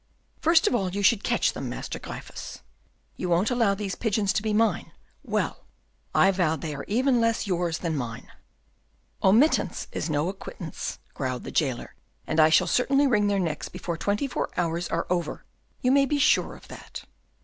"First of all you should catch them, Master Gryphus. You won't allow these pigeons to be mine! Well, I vow they are even less yours than mine." "Omittance is no acquittance," growled the jailer, "and I shall certainly wring their necks before twenty four hours are over: you may be sure of that."